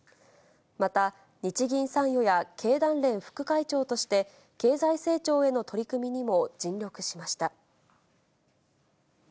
また、日銀参与や経団連副会長として、経済成長への取り組みにも尽力しました。